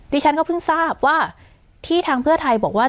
ฉันก็เพิ่งทราบว่าที่ทางเพื่อไทยบอกว่า